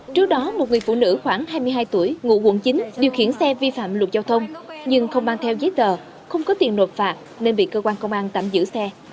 trước đó một người phụ nữ khoảng hai mươi hai tuổi ngụ quận chín điều khiển xe vi phạm luật giao thông nhưng không mang theo giấy tờ không có tiền nộp phạt nên bị cơ quan công an tạm giữ xe